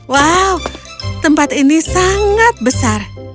wow tempat ini sangat besar